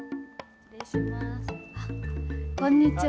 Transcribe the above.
こんにちは。